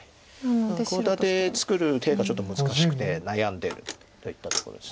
コウ立て作る手がちょっと難しくて悩んでるといったところです。